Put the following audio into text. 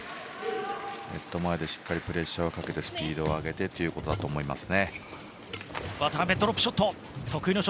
ネット前でしっかりとプレッシャーをかけてスピードを上げてということだと思います。